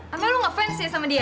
apa lo gak fans ya sama dia